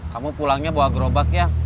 kamu pulangnya bawa gerobak ya